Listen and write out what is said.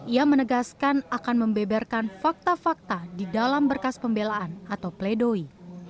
ia menegaskan akan membeberkan fakta fakta di dalam berkas pembelaan atau pledoi